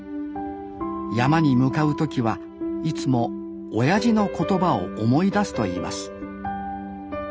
山に向かう時はいつもおやじの言葉を思い出すと言います